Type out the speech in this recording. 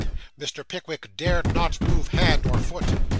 Mr. Pickwick dared not move hand or foot.